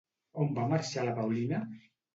On va marxar la Paulina?